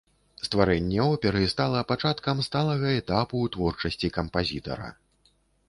Стварэнне оперы стала пачаткам сталага этапу ў творчасці кампазітара.